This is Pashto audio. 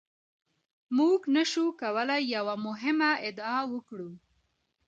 موږ نشو کولای یوه مهمه ادعا وکړو.